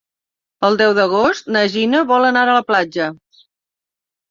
El deu d'agost na Gina vol anar a la platja.